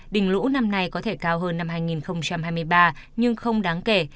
đỉnh lũ năm nay có thể cao hơn năm hai nghìn hai mươi ba nhưng không đáng kể